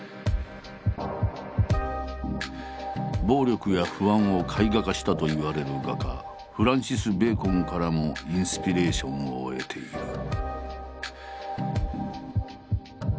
暴力や不安を絵画化したといわれる画家フランシス・ベーコンからもインスピレーションを得ている。